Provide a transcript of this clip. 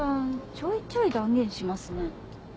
ちょいちょい断言しますね。